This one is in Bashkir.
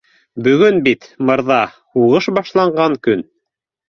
Бөгөн бит, мырҙа, һуғыш башланған көн